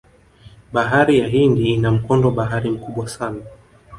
bahari ya hindi ina mkondo bahari mkubwa sana